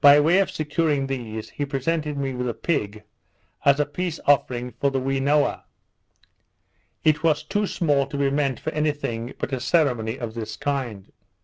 By way of securing these, he presented me with a pig as a peace offering for the Whenooa. It was too small to be meant for any thing but a ceremony of this kind.